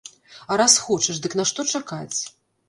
А раз хочаш, дык нашто чакаць?